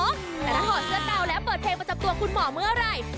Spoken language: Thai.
แต่ถ้าถอดเสื้อเตาแล้วเปิดเพลงประจำตัวคุณหมอเมื่อไหร่